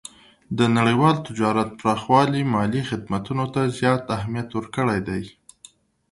د نړیوال تجارت پراخوالی مالي خدمتونو ته زیات اهمیت ورکړی دی.